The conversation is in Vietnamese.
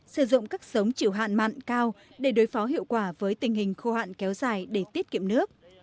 sử dụng các sống chịu hạn mặn cao để đối phó hiệu quả với tình hình khô hạn kéo dài để tiết kiệm nước